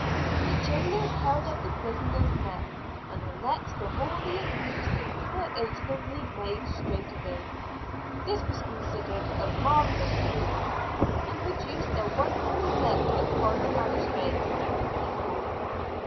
The jailers held up the prisoner's neck; and the necks of all the accused were instantly made straight again. This was considered a marvelous proof; and produced a wonderful effect upon the magistrates and the people.